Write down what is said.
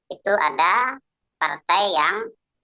itu ada partai yang